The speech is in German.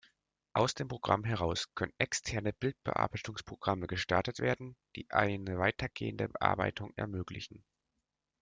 Aus dem Programm heraus können externe Bildbearbeitungsprogramme gestartet werden, die eine weitergehende Bearbeitung ermöglichen.